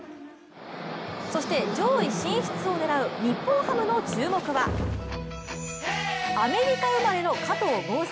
上位進出を狙う日本ハムの注目は、アメリカ生まれの加藤豪将。